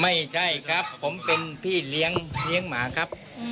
ไม่ใช่ครับผมเป็นพี่เลี้ยงหมาครับ